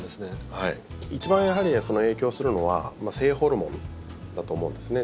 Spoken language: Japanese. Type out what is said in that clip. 一番影響するのは性ホルモンだと思うんですね。